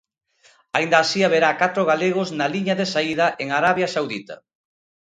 Aínda así haberá catro galegos na liña de saída en Arabia Saudita.